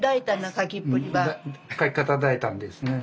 書き方大胆ですね。